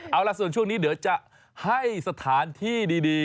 เอาล่ะส่วนช่วงนี้เดี๋ยวจะให้สถานที่ดี